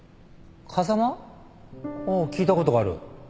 ああ聞いたことがある。